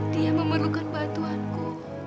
dia memerlukan bantuanku